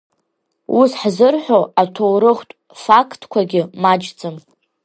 Ус ҳзырҳәо аҭоурыхтә фактқәагьы маҷӡам.